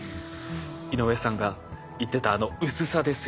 井上さんが言ってたあの薄さですよ。